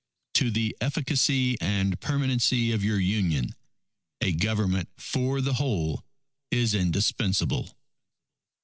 _... _To the efficacy and permanency of your Union, a Government for the whole is indispensable.